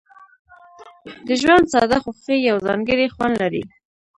د ژوند ساده خوښۍ یو ځانګړی خوند لري.